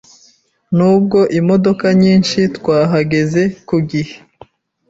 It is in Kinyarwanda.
Nubwo imodoka nyinshi, twahageze ku gihe.